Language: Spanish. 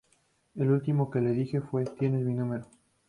Lo último que le dije fue, "Tienes mi número.